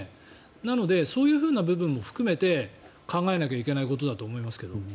なのでそういうふうな部分も含めて考えなきゃいけないところだと思いますけど。